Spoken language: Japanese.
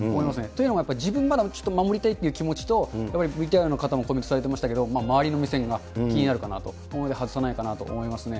というのは、自分、まだちょっと守りたいという気持ちと、やっぱりＶＴＲの方もコメントされてましたけど周りの目線が気になるのかなと、なので外さないかなと思いますね。